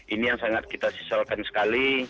ini yang sangat kita sesalkan sekali